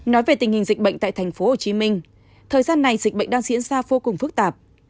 nói về tình hình dịch bệnh tại tp hcm thời gian này dịch bệnh đang diễn ra vô cùng phức tạp